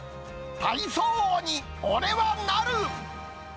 体操王に俺はなる！